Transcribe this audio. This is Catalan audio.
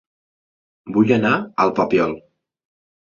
Vull anar a El Papiol